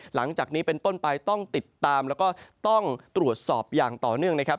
หลังจากนี้เป็นต้นไปต้องติดตามแล้วก็ต้องตรวจสอบอย่างต่อเนื่องนะครับ